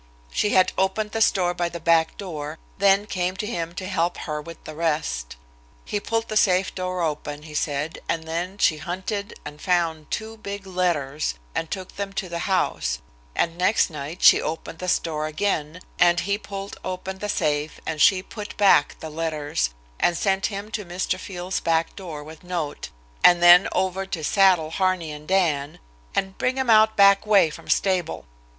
She had opened the store by the back door, then came to him to help her with the rest. He pulled the safe door open, he said, and then she hunted and found two big letters, and took them to the house, and next night she opened the store again, and he pulled open the safe, and she put back the letters and sent him to Mr. Field's back door with note, and then over to saddle Harney and Dan, and "bring 'em out back way from stable."